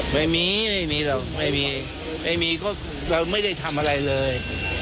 ไม่มีเล่าไม่มีไม่มีก็จะไม่ได้ทำอะไรเลย